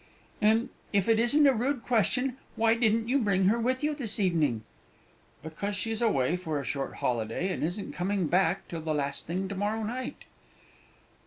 "And, if it isn't a rude question, why didn't you bring her with you this evening?" "Because she's away for a short holiday, and isn't coming back till the last thing to morrow night."